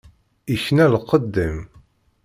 Ikna lqedd-im.